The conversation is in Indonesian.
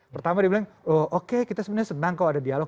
pertama dibilang oke kita sebenarnya senang kalau ada dialog